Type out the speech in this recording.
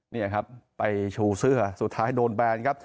นี่ครับไปชูเสื้อสุดท้ายโดนแบนครับ